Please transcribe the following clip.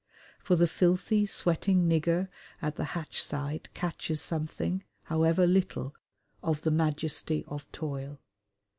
For the filthy, sweating nigger at the hatch side catches something however little of the majesty of toil.